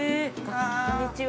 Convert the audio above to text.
◆こんにちは！